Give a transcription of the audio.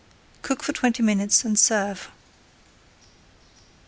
Cook for twenty minutes and serve.